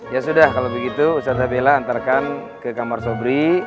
ya sudah kalau begitu ustadz nabila antarkan ke kamar sobri